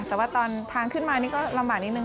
แต่ว่าตอนทางขึ้นมานี่ก็ลำบากนิดนึ